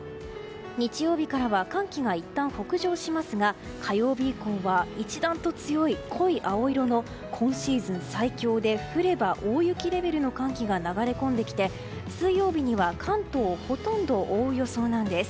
日曜日からは寒気がいったん北上しますが火曜日以降は一段と強い濃い青色の今シーズン最強で降れば大雪レベルの寒気が流れ込んできて、水曜日には関東をほとんど覆う予想なんです。